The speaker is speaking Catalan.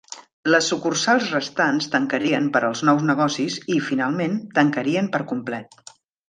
Les sucursals restants tancarien per als nous negocis i, finalment, tancarien per complet.